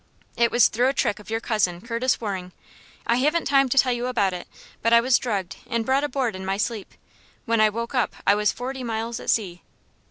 "It was through a trick of your cousin, Curtis Waring. I haven't time to tell you about it; but I was drugged and brought aboard in my sleep; when I woke up I was forty miles at sea.